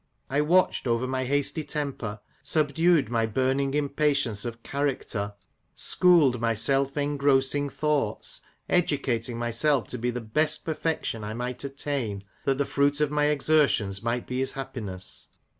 I watched over my hasty temper, subdued my burning impatience of character, schooled my self engrossing thoughts, educating myself to the best perfec tion I might attain, that the fruit of my exertions might be his happiness.